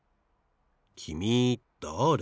きみだれ？